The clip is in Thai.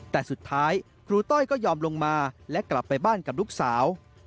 แต่สุดท้ายครูต้อยก็ยอมลงมาและกลับไปบ้านกับลูกสาว